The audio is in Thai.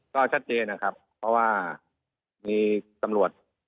ก็ชัดเจนนะครับเพราะว่ามีตำรวจ